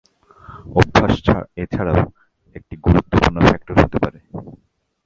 অভ্যাস এছাড়াও একটি গুরুত্বপূর্ণ ফ্যাক্টর হতে পারে।